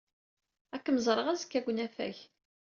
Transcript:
Ad kem-ẓreɣ azekka deg unafag.